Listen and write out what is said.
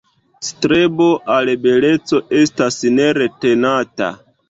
Strebo al beleco estas neretenata.